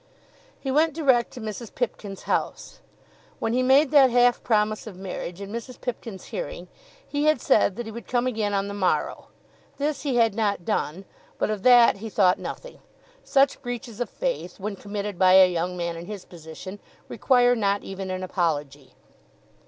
He went direct to Mrs. Pipkin's house. When he made that half promise of marriage in Mrs. Pipkin's hearing, he had said that he would come again on the morrow. This he had not done; but of that he thought nothing. Such breaches of faith, when committed by a young man in his position, require not even an apology.